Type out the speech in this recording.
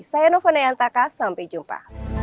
saya novo neantaka sampai jumpa